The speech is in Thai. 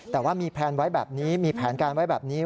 แต่ว่ามีแพลนไว้แบบนี้มีแผนการไว้แบบนี้